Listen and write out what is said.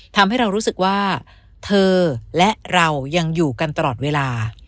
ทำให้เรารู้สึกว่าเธอและเรายังอยู่กันตลอดเวลา